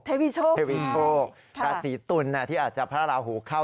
เทวีโชคใช่ค่ะศรีตุลน่ะที่อาจจะพระราวหูเข้า